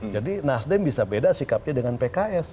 jadi nasdem bisa beda sikapnya dengan pks